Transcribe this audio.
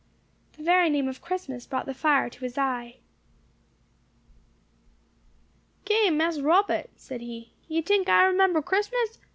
The very name of Christmas brought the fire to his eye. "Ki, Mas Robbut," said he, "you tink I remember Christmas?